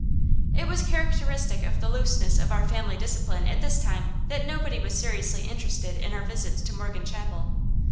It was characteristic of the looseness of our family discipline at this time that nobody was seriously interested in our visits to Morgan Chapel.